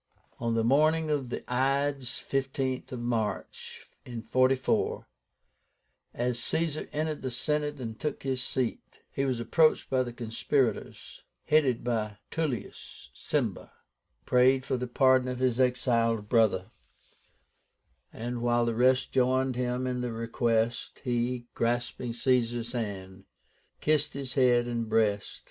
On the morning of the IDES (15th) OF MARCH, 44, as Caesar entered the Senate and took his seat, he was approached by the conspirators, headed by Tullius Cimber, who prayed for the pardon of his exiled brother; and while the rest joined him in the request, he, grasping Caesar's hand, kissed his head and breast.